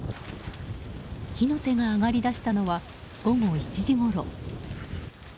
火の手が上がりだしたのは午後１時ごろ。